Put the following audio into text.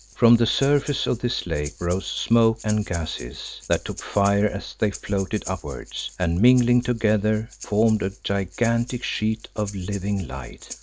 From the surface of this lake rose smoke and gases that took fire as they floated upwards, and, mingling together, formed a gigantic sheet of living light.